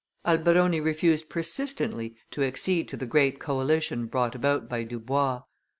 Alberoni refused persistently to accede to the great coalition brought about by Dubois.